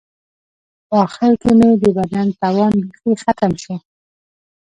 په آخر کې مې د بدن توان بیخي ختم شو.